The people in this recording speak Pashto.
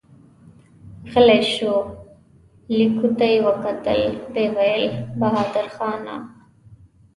غلی شو، ليکو ته يې وکتل، ويې ويل: بهادرخانه!